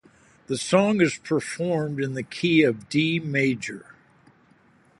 The song is performed in the key of D major.